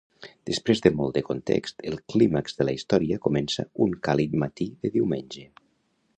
Després de molt de context, el clímax de la història comença un càlid matí de diumenge.